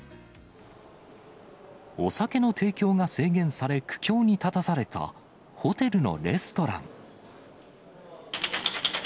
お酒の提供が制限され苦境に立たされた、ホテルのレストラン。